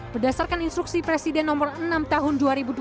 berdasarkan instruksi presiden nomor enam tahun dua ribu dua puluh